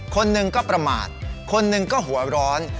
คนหนึ่งก็ประมาทคนหนึ่งก็หัวร้อน